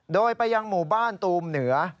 โดยไปยังหมู่บ้านตูมเหนือ